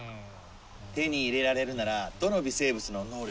手に入れられるならどの微生物の能力がいいですか？